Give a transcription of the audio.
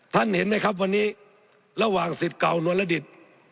ท่านเห็นไหมครับวันนี้ระหว่างศิษย์เก่านวรดิต